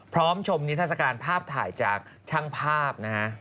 พร้อมชมนิทรศการภาพถ่ายจากช่างภาพ